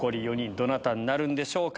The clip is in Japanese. どなたになるんでしょうか。